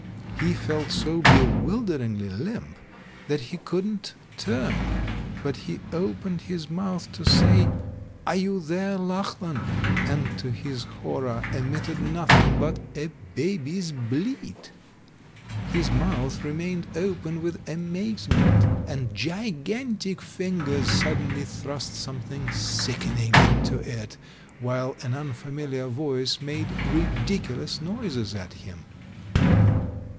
He felt so bewilderingly limp that he couldn't turn, but he opened his mouth to say, "Are you there, Lachlan?" and to his horror, emitted nothing but THE THIRD M 333 a baby's bleat. His mouth remained open with amazement, and gigantic fingers suddenly thrust something sickening into it, while an unfamiliar voice made ridiculous noises at him.